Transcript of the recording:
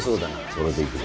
それでいくぞ。